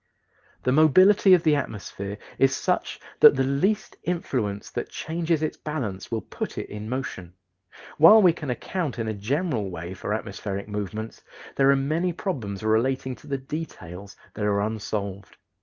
The mobility of the atmosphere is such that the least influence that changes its balance will put it in motion. While we can account in a general way for atmospheric movements, there are many problems relating to the details that are unsolved.